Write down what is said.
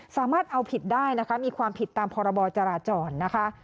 สามารถเอาผิดได้นะคะมีความผิดตามพรบจราจรนะคะ